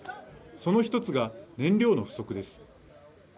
その１つが燃料の不足です。